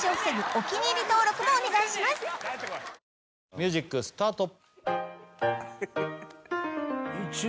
ミュージックスタート